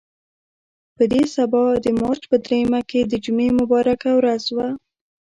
په دې سبا د مارچ په درېیمه چې د جمعې مبارکه ورځ وه.